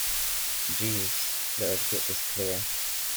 Jeeves, let us get this clear.